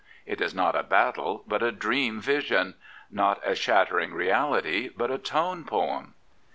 It is not a battle, but a dream vision ; not a shattering reality, but a tone poem.